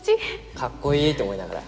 かっこいいと思いながら。